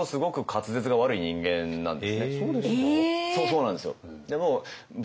そうなんですよ。